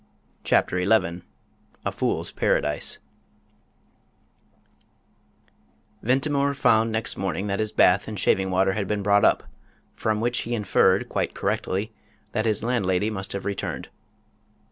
CHAPTER XI A FOOL'S PARADISE Ventimore found next morning that his bath and shaving water had been brought up, from which he inferred, quite correctly, that his landlady must have returned.